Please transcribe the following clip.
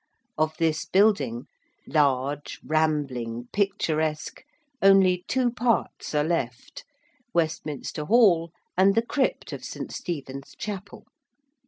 Of this building, large, rambling, picturesque, only two parts are left, Westminster Hall and the crypt of St. Stephen's Chapel.